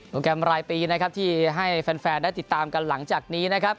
แกรมรายปีนะครับที่ให้แฟนได้ติดตามกันหลังจากนี้นะครับ